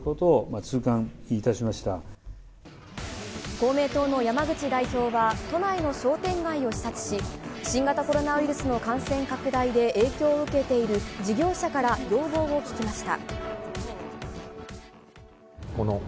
公明党の山口代表は都内の商店街を視察し、新型コロナウイルスの感染拡大で影響を受けている事業者から要望を聞きました。